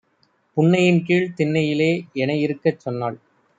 புன்னையின்கீழ்த் தின்னையிலே எனைஇருக்கச் சொன்னாள்.